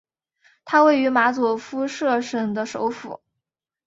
它位于马佐夫舍省的首府。